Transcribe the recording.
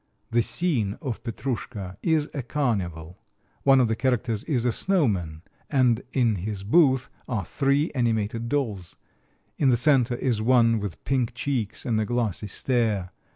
The scene of Petrouschka is a carnival. One of the characters is a showman, and in his booth are three animated dolls. In the center is one with pink cheeks and a glassy stare.